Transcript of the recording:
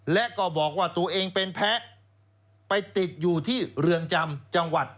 และก็บอกว่าตัวเองเป็นแพ้ไปติดอยู่ที่เรือนจำจังหวัด